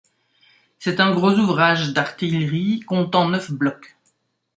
C'est un gros ouvrage d'artillerie, comptant neuf blocs.